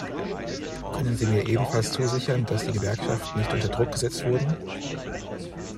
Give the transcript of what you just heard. Können Sie mir ebenfalls zusichern, dass die Gewerkschaften nicht unter Druck gesetzt wurden?